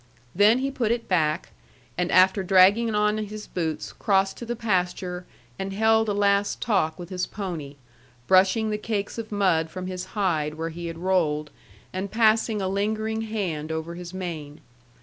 Then he put it back, and after dragging on his boots, crossed to the pasture, and held a last talk with his pony, brushing the cakes of mud from his hide where he had rolled, and passing a lingering hand over his mane.